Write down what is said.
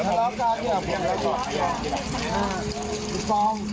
บอกผู้กรแล้วผมรับผิดชอบหมดทุกอย่าง